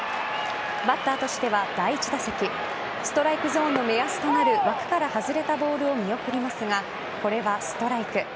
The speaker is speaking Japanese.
バッターとしては第１打席ストライクゾーンの目安となる枠から外れたボールを見送りますがこれはストライク。